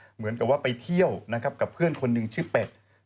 เหมือนกับว่าไปเที่ยวนะครับกับเพื่อนคนหนึ่งชื่อเป็ด